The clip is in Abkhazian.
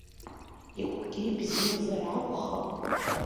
Игәгьы бзиазар акәхап?